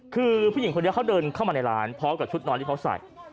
คือผู้หญิงคนนี้เขาเดินเข้ามาในร้านพร้อมกับชุดนอนที่เขาใส่